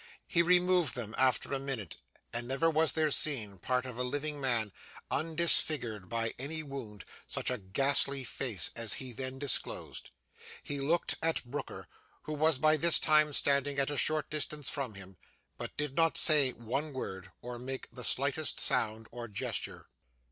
He removed them, after a minute, and never was there seen, part of a living man undisfigured by any wound, such a ghastly face as he then disclosed. He looked at Brooker, who was by this time standing at a short distance from him; but did not say one word, or make the slightest sound or gesture.